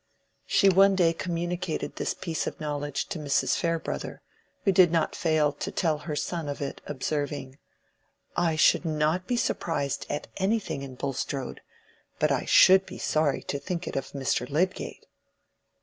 She one day communicated this piece of knowledge to Mrs. Farebrother, who did not fail to tell her son of it, observing— "I should not be surprised at anything in Bulstrode, but I should be sorry to think it of Mr. Lydgate."